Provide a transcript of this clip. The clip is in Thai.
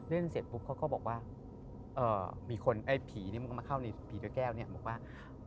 เล่นเสร็จปุ๊บเขาก็บอกว่ามีคนไอ้ผีนี่มันก็มาเข้าในผีตัวแก้วเนี่ยบอกว่า